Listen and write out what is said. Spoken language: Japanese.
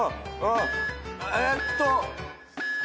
えっと。